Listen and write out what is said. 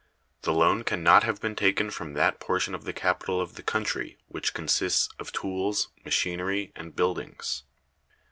The loan can not have been taken from that portion of the capital of the country which consists of tools, machinery, and buildings.